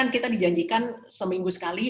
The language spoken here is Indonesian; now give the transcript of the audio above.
kita dijanjikan seminggu sekali